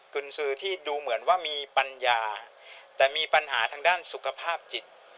คุณซื้อที่ดูเหมือนว่ามีปัญญาแต่มีปัญหาทางด้านสุขภาพจิต